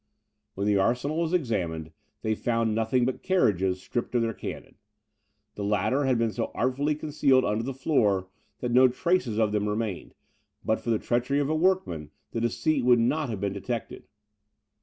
When the arsenal was examined, they found nothing but carriages, stripped of their cannon. The latter had been so artfully concealed under the floor, that no traces of them remained; and but for the treachery of a workman, the deceit would not have been detected.